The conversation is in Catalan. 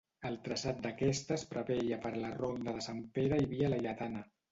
El traçat d'aquesta es preveia per la ronda de Sant Pere i Via Laietana.